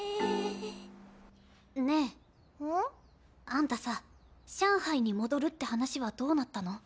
あんたさ上海に戻るって話はどうなったの？